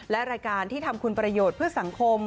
และรายการที่ทำคุณประโยชน์เพื่อสังคม